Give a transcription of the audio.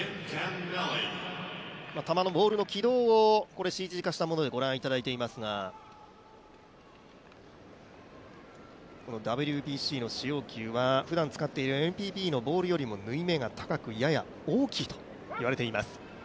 球の、ボールの軌道をＣＧ化したものをご覧いただいていますがＷＢＣの使用球はふだん使っているＮＰＢのボールよりも縫い目が高く大きいと言われています。